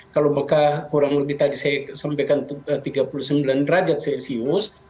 kalau mekah kurang lebih tadi saya sampaikan tiga puluh sembilan derajat celcius